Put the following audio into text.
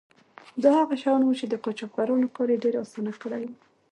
دا هغه شیان وو چې د قاچاقبرانو کار یې ډیر آسانه کړی و.